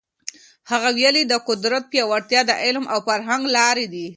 هغه ویلي، د قدرت پیاوړتیا د علم او فرهنګ له لاري ده.